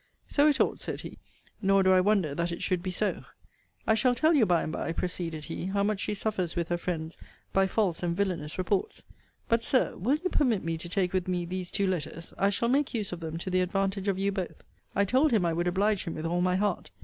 So it ought, said he. Nor do I wonder that it should be so. I shall tell you by and by, proceeded he, how much she suffers with her friends by false and villanous reports. But, Sir, will you permit me to take with me these two letters? I shall make use of them to the advantage of you both. I told him I would oblige him with all my heart.